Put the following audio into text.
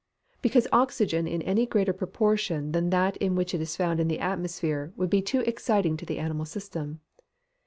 _ Because oxygen in any greater proportion than that in which it is found in the atmosphere, would be too exciting to the animal system.